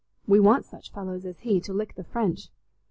We want such fellows as he to lick the French."